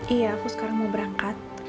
iya aku sekarang mau berangkat